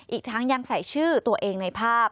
อีกทั้งยังใส่ชื่อตัวเองในภาพ